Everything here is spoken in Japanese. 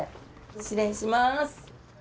失礼します。